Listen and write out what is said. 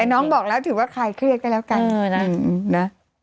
แต่น้องบอกแล้วถือว่าใครเครียดกันแล้วกัน